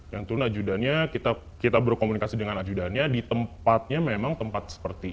yang tunajudannya kita berkomunikasi dengan ajudannya di tempatnya memang tempat seperti